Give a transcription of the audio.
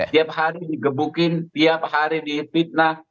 tiap hari digebukin tiap hari dipitnah